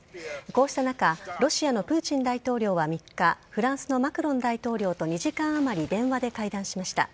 こうした中ロシアのプーチン大統領は３日フランスのマクロン大統領と２時間あまり電話で会談しました。